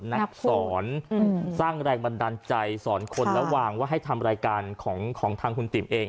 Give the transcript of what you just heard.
นักสอนสร้างแรงบันดาลใจสอนคนแล้ววางว่าให้ทำรายการของทางคุณติ๋มเอง